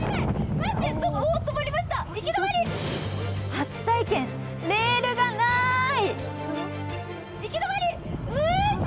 初体験、レールがなーい！